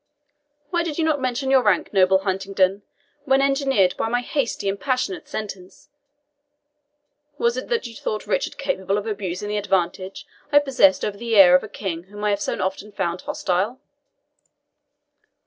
Why did you not mention your rank, noble Huntingdon, when endangered by my hasty and passionate sentence? Was it that you thought Richard capable of abusing the advantage I possessed over the heir of a King whom I have so often found hostile?"